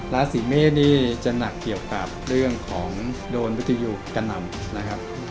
ราศีเมศจะหนักเกี่ยวกับเรื่องของโดนพิทิอยกกัปนำ